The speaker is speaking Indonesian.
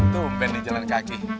tumpen nih jalan kaki